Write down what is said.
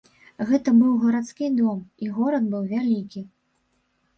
Гэта быў гарадскі дом, і горад быў вялікі.